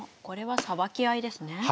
これはさばき合いですね。